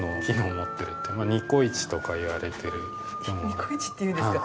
ニコイチって言うんですか？